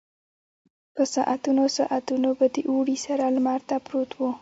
په ساعتونو ساعتونو به د اوړي سره لمر ته پروت و.